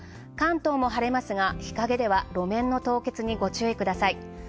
関東も晴れますが日陰では路面の凍結にご注意ください。